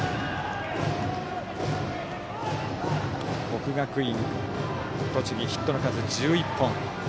国学院栃木、ヒットの数１１本。